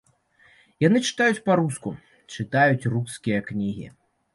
Яна чытаюць па-руску, чытаюць рускія кнігі.